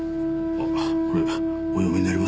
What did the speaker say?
これお読みになりますか？